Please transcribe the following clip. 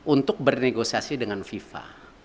untuk bernegosiasi dengan viva